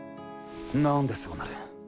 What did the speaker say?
なんでそうなる。